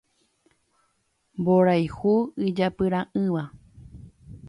Mborayhu ijapyra'ỹva